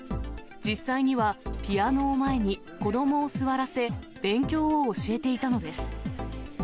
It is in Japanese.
実際にはピアノを前に子どもを座らせ、勉強を教えていたのです。